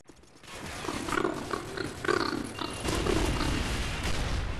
He was voted the fifth-best player in his first season in Germany.